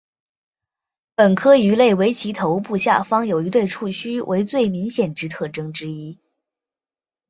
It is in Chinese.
本科鱼类以其头部下方有一对触须为最明显之特征之一。